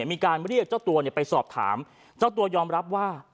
มีการเรียกเจ้าตัวไปสอบถามเจ้าตัวยอมรับว่า